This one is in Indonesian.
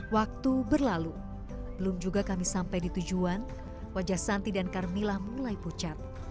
waktu berlalu belum juga kami sampai di tujuan wajah santi dan carmila mulai pucat